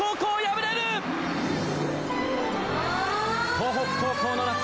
東北高校の夏